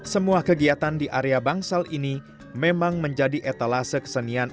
semua kegiatan di area bangsal ini memang menjadi etalase kesenian